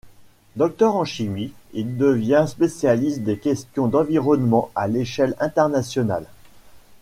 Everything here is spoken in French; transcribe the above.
Docteur en chimie, il devient spécialiste des questions d'environnement à l'échelle internationale.